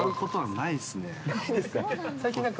ないですか。